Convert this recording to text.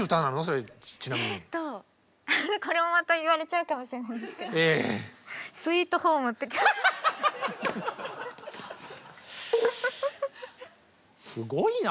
これもまた言われちゃうかもしれないんですけどすごいな。